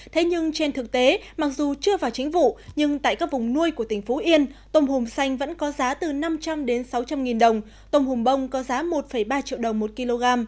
thế nhưng trên thực tế mặc dù chưa vào chính vụ nhưng tại các vùng nuôi của tỉnh phú yên tôm hùm xanh vẫn có giá từ năm trăm linh đến sáu trăm linh nghìn đồng tôm hùm bông có giá một ba triệu đồng một kg